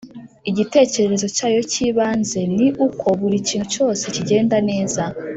igitekerezo cyayo cy’ibanze ni uko buri kintu cyose kigenda neza